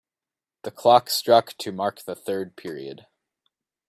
The clock struck to mark the third period.